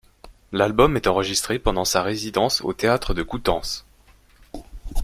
L'album est enregistré pendant sa résidence au théâtre de Coutances.